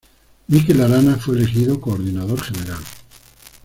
Mikel Arana fue elegido coordinador general.